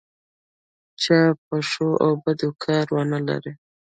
چا په ښو او بدو کار ونه لري.